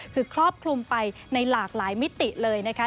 คือครอบคลุมไปในหลากหลายมิติเลยนะคะ